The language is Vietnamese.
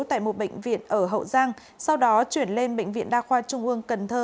tại một bệnh viện ở hậu giang sau đó chuyển lên bệnh viện đa khoa trung ương cần thơ